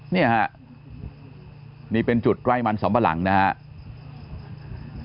เนี่ยฮะนี่เป็นจุดใกล้มันสำปะหลังนะฮะ